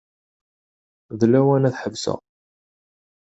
D lawan ad ḥebseɣ.